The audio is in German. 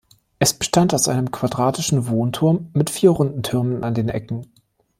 Es bestand aus einem quadratischen Wohnturm mit vier runden Türmen an den Ecken.